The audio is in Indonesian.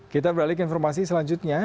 kita beralih ke informasi selanjutnya